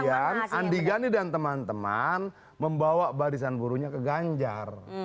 kemudian andi gani dan teman teman membawa barisan buruhnya ke ganjar